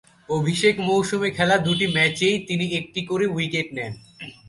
অভিষেক মৌসুমে খেলা দুটি ম্যাচেই তিনি একটি করে উইকেট নেন।